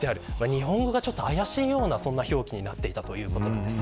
日本語が怪しいような表記になっていたということです。